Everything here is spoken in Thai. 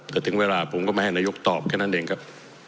แต่ถึงเวลาผมก็ไม่ให้นายกตอบแค่นั้นเองครับ